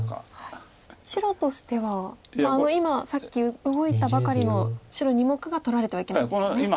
白としては今さっき動いたばかりの白２目が取られてはいけないんですね。